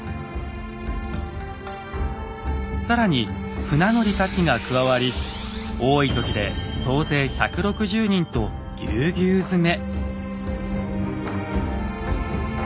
更に船乗りたちが加わり多いときで総勢１６０人とぎゅうぎゅう詰め。